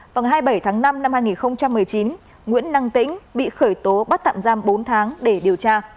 vào ngày hai mươi bảy tháng năm năm hai nghìn một mươi chín nguyễn năng tĩnh bị khởi tố bắt tạm giam bốn tháng để điều tra